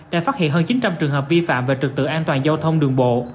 đã phát hiện hơn chín trăm linh trường hợp vi phạm về trực tự an toàn giao thông đường bộ